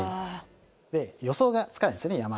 で予想がつかないですね山は。